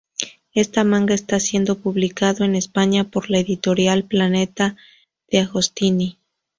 Este manga está siendo publicado en España por la editorial Planeta Deagostini.